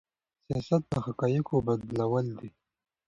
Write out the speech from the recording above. سياست د حقايقو بدلول دي.